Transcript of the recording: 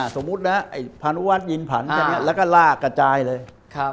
สมมุตินะไอ้พานุวัฒนยินผันแล้วก็ลากกระจายเลย